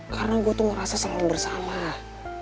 karena gue tuh ngerasa selalu bersalah